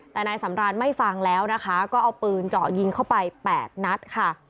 แต่นายสำรานไม่ฟังแล้วนะคะก็เอาปืนเจาะยิงเข้าไป๘นัดค่ะ